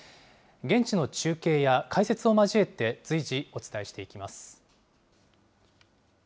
現地の中継や解説を交えて、随時、お伝えしていきます。